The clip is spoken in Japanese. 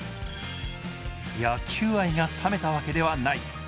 野球愛が冷めたわけではない。